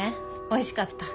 おいしかった。